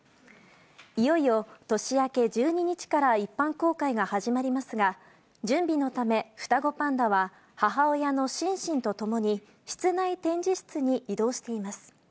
いよいよ、年明け１２日から一般公開が始まりますが、準備のため、双子パンダは母親のシンシンと共に、室内展示室に移動しています。